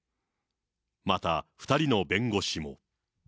また、２人の弁護士も。